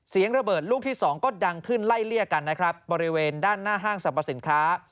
เสียงระเบิดลูกที่สองก็ดังขึ้นไล่เลี่ยกันนะครับบริเวณด้านหน้าห้างสรรพสินค้า